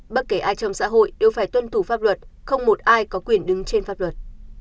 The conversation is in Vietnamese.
bất kể ai trong xã hội đều phải tuân thủ pháp luật không một ai có quyền đứng trên pháp luật